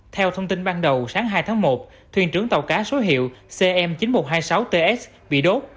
theo thông tin ban đầu sáng hai tháng một thuyền trưởng tàu cá số hiệu cm chín nghìn một trăm hai mươi sáu ts bị đốt